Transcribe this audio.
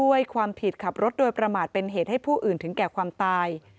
ความผิดขับรถโดยประมาทเป็นเหตุให้ผู้อื่นถึงแก่ความตาย